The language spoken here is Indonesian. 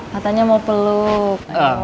katanya mau peluk